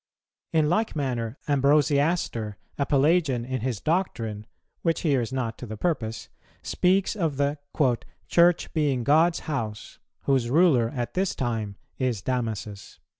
In like manner, Ambrosiaster, a Pelagian in his doctrine, which here is not to the purpose, speaks of the "Church being God's house, whose ruler at this time is Damasus."